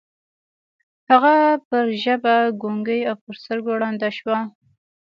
هغه پر ژبه ګونګۍ او پر سترګو ړنده شوه.